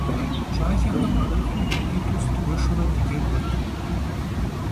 ЩӀалэхэм хырыхыу гупитӀу зыдгуэшурэ дыджэгурт.